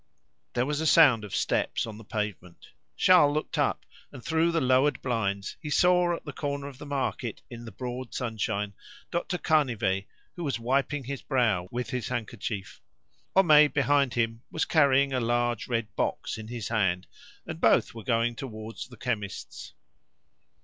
There was a sound of steps on the pavement. Charles looked up, and through the lowered blinds he saw at the corner of the market in the broad sunshine Dr. Canivet, who was wiping his brow with his handkerchief. Homais, behind him, was carrying a large red box in his hand, and both were going towards the chemist's.